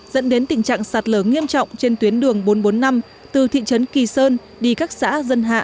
dẫn đến tình trạng sạt lở nghiêm trọng trên tuyến đường bốn trăm bốn mươi năm từ thị trấn kỳ sơn đi các xã dân hạ